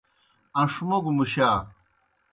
اَن٘ݜ موگوْ مُشا۔